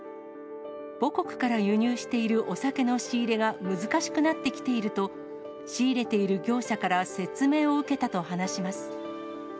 母国から輸入しているお酒の仕入れが難しくなってきていると、仕入れている業者から説明を受けたと話します。